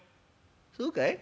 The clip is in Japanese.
「そうかい？」。